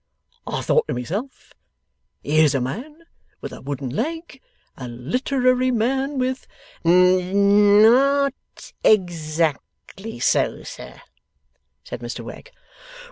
I thought to myself, "Here's a man with a wooden leg a literary man with "' 'N not exactly so, sir,' said Mr Wegg.